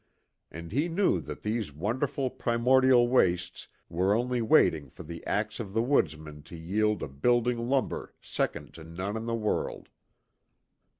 And he knew that these wonderful primordial wastes were only waiting for the axe of the woodsman to yield a building lumber second to none in the world.